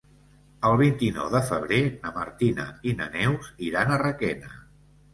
El vint-i-nou de febrer na Martina i na Neus iran a Requena.